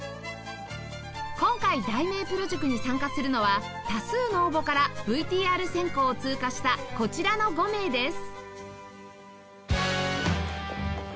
今回題名プロ塾に参加するのは多数の応募から ＶＴＲ 選考を通過したこちらの５名です